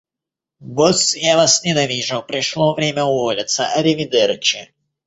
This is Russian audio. Босс, я вас ненавижу. Пришло время уволиться, аривидерчи!